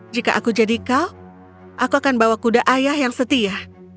jika aku jadi kau aku akan bawa kuda ayah yang setia